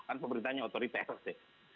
kan pemerintahnya otoritas sih